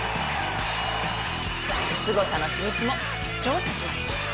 すごさの秘密も調査しました。